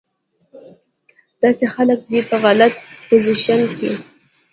داسې خلک دې پۀ غلط پوزيشن کښې